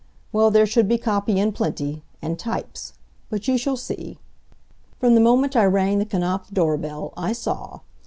Well, there should be copy in plenty; and types! But you shall see." From the moment I rang the Knapf doorbell I saw.